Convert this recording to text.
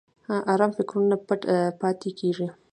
ارام فکرونه پټ پاتې کېږي.